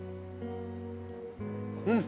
うん。